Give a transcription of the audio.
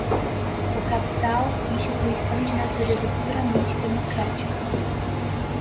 o capital, instituição de natureza puramente democrática